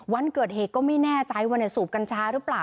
วันเกิดเหตุก็ไม่แน่ใจว่าสูบกัญชาหรือเปล่า